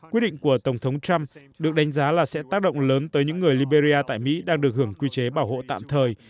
quyết định của tổng thống trump được đánh giá là sẽ tác động lớn tới những người liberia tại mỹ đang được hưởng quy chế bảo hộ tạm thời